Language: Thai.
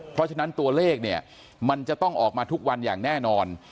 เพราะฉะนั้นตัวเลขเนี่ยมันจะต้องออกมาทุกวันอย่างแน่นอน